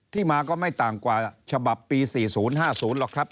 มาก็ไม่ต่างกว่าฉบับปี๔๐๕๐หรอกครับ